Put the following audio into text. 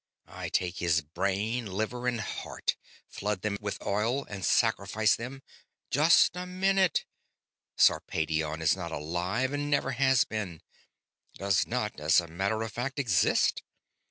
I take his brain, liver, and heart; flood them with oil, and sacrifice them ..." "Just a minute! Sarpedion is not alive and never has been; does not, as a matter of fact, exist.